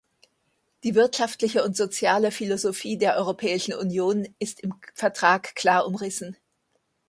Die wirtschaftliche und soziale Philosophie der Europäischen Union ist im Vertrag klar umrissen.